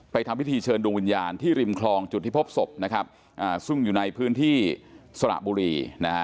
ทำพิธีเชิญดวงวิญญาณที่ริมคลองจุดที่พบศพนะครับซึ่งอยู่ในพื้นที่สระบุรีนะฮะ